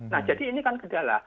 nah jadi ini kan gejala